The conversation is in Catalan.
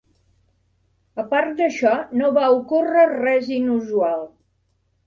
A part d'això, no va ocórrer res inusual.